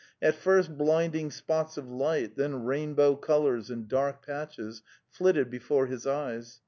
At first blinding spots of light, then rainbow The Steppe 229 colours and dark patches, flitted before his eyes.